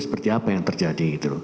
seperti apa yang terjadi